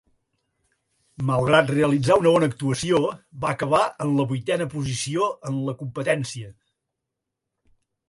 Malgrat realitzar una bona actuació, va acabar en la vuitena posició en la competència.